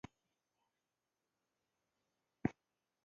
څوک ابدال یو څوک اوتاد څوک نقیبان یو